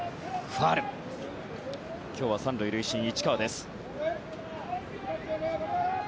今日は３塁塁審、市川です。